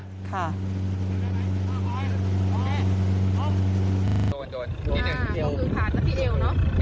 นี่คือผ่านแล้วที่เอวเนอะ